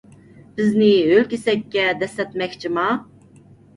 بىزنى ھۆل كېسەككە دەسسەتمەكچىما؟